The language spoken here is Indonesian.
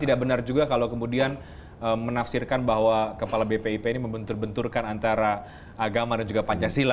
tidak benar juga kalau kemudian menafsirkan bahwa kepala bpip ini membentur benturkan antara agama dan juga pancasila